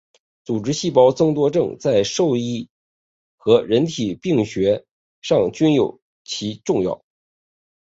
组织细胞增多症在兽医学和人体病理学上均极其重要。